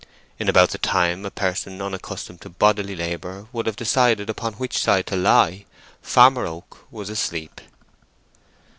In about the time a person unaccustomed to bodily labour would have decided upon which side to lie, Farmer Oak was asleep.